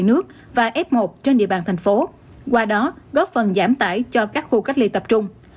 nước và f một trên địa bàn thành phố qua đó góp phần giảm tải cho các khu cách ly tập trung